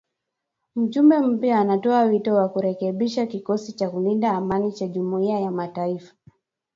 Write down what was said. Mjumbe mpya anatoa wito wa kurekebishwa kikosi cha kulinda amani cha Jumuiya ya mataifa.